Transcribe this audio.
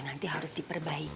nanti harus diperbaikin